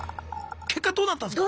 結果どうなったんすか？